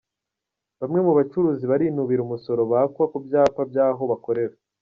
Bamwe mu bacuruzi barinubira umusoro bakwa ku byapa by’aho bakorera